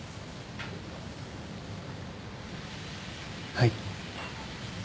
はい。